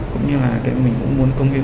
cũng như là mình cũng muốn công nghiến